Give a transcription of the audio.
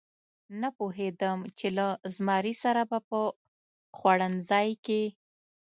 نه پوهېدم چې له زمري سره به په خوړنځای کې.